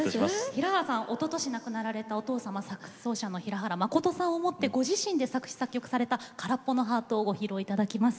平原さんはおととし亡くなられたお父様サックス奏者の平原まことさんを思ってご自身で作詞・作曲された「からっぽのハート」をご披露いただきます。